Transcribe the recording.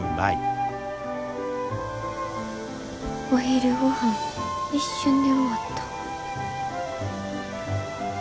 お昼ごはん一瞬で終わった。